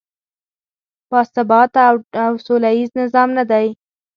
باثباته او سولیز نظام نه دی.